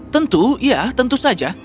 tentu ya tentu saja